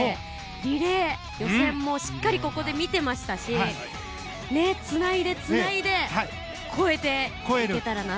リレー予選もしっかりとここで見ていましたしつないで、つないで超えていけたらなと。